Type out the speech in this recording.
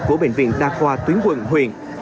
của bệnh viện đa khoa tuyến quận huyện